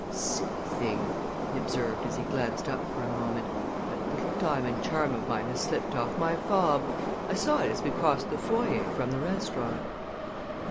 "Silly thing!" he observed as he glanced up for a moment. "That little diamond charm of mine has slipped off my fob. I saw it as we crossed the foyer from the restaurant."